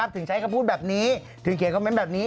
ถึงใช้คำพูดแบบนี้ถึงเขียนคอมเมนต์แบบนี้